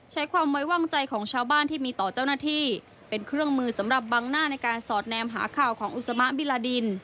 ใช้ความไว้วางใจของชาวบ้านที่มีต่อเจ้าหน้าที่เป็นเครื่องมือสำหรับบังหน้าในการสอดแนมหาข่าวของอุสมะบิลาดิน